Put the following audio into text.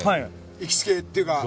行きつけっていうか